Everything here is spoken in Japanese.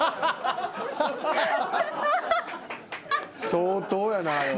相当やなあれは。